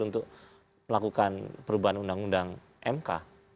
untuk melakukan perubahan undang undang mk